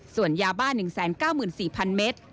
ส่วนยาบ้า๑๙๔๐๐เมตร